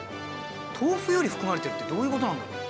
豆腐より含まれてるってどういう事なんだろう？